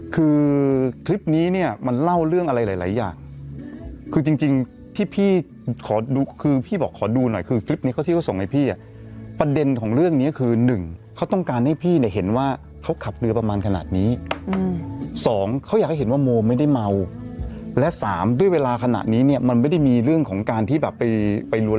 คือคลิปนี้เนี่ยมันเล่าเรื่องอะไรหลายอย่างคือจริงที่พี่ขอดูคือพี่บอกขอดูหน่อยคือคลิปนี้เขาที่เขาส่งให้พี่อ่ะประเด็นของเรื่องนี้คือหนึ่งเขาต้องการให้พี่เนี่ยเห็นว่าเขาขับเรือประมาณขนาดนี้สองเขาอยากให้เห็นว่าโมไม่ได้เมาและสามด้วยเวลาขณะนี้เนี่ยมันไม่ได้มีเรื่องของการที่แบบไปไปล้ว